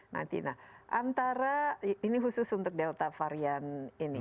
nah antara ini khusus untuk delta varian ini